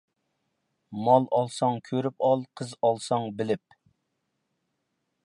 مال ئالساڭ كۆرۈپ ئال، قىز ئالساڭ بىلىپ.